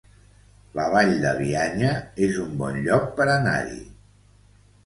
La Vall de Bianya es un bon lloc per anar-hi